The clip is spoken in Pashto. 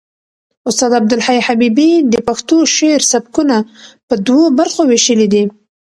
استاد عبدالحی حبیبي د پښتو شعر سبکونه په دوو برخو وېشلي دي.